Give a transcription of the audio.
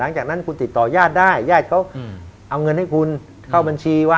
อ่าซักผ้าให้ก็